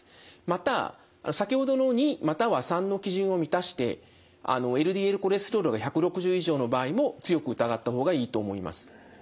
また先ほどの②または③の基準を満たしてＬＤＬコレステロールが１６０以上の場合も強く疑った方がいいと思います。